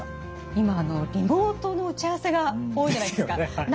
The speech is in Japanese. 今リモートの打ち合わせが多いじゃないですか。ですよね。